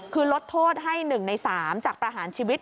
คือลดโทษให้๑ใน๓จากประหารชีวิต